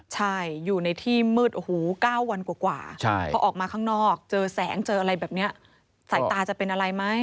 ใช่อยู่ในที่มืดโอ้โห๙วันกว่าพอออกมาข้างนอกเจอแสงเจออะไรแบบนี้สายตาจะเป็นอะไรไหม